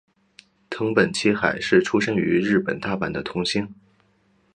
藤本七海是出身于日本大阪的童星。